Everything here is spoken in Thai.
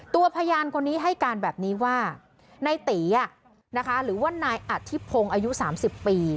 ตัวพยานคนนี้ให้การแบบนี้ว่านายตีหรือว่านายอธิพงศ์อายุ๓๐ปี